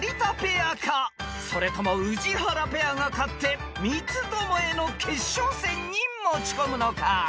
［それとも宇治原ペアが勝って三つどもえの決勝戦に持ち込むのか？］